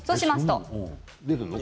出るの？